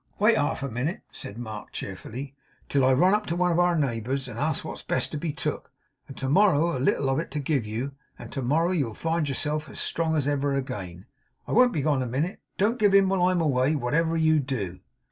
'Wait half a minute,' said Mark cheerily, 'till I run up to one of our neighbours and ask what's best to be took, and borrow a little of it to give you; and to morrow you'll find yourself as strong as ever again. I won't be gone a minute. Don't give in while I'm away, whatever you do!